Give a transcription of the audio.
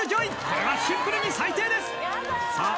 これはシンプルに最低ですさあ